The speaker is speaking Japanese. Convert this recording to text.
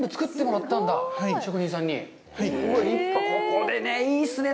ここでね、いいですね。